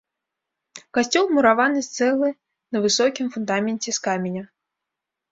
Касцёл мураваны з цэглы на высокім фундаменце з каменя.